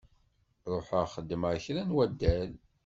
Ruḥeɣ xedmeɣ kra n waddal.